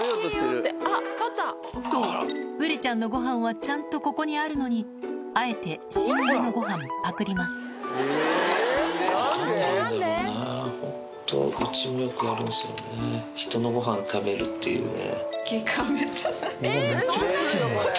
そうウリちゃんのごはんはちゃんとここにあるのにあえてひとのごはん食べるっていうね。